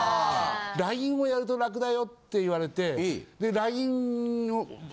ＬＩＮＥをやると楽だよって言われて。